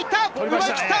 奪い切った！